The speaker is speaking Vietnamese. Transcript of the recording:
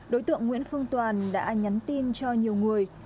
đối tượng nguyễn phương toàn đã nhắn tin cho nhiều người